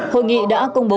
hội nghị đã công bố